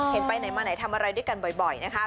ไปไหนมาไหนทำอะไรด้วยกันบ่อยนะคะ